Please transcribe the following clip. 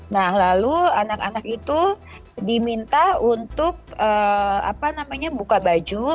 nah lalu anak anak itu diminta untuk buka baju